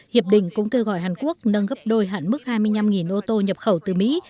hiệp định cũng kêu gọi hàn quốc nâng gấp đôi hạn mức hai mươi năm ô tô nhập khẩu từ mỹ